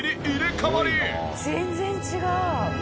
全然違う。